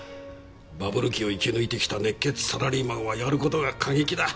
バブル期を生き抜いてきた熱血サラリーマンはやる事が過激だ。